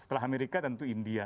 setelah amerika tentu india